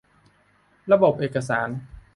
ระบบเอกสาร